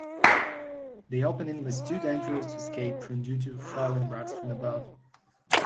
The opening was too dangerous to escape from due to falling rocks from above.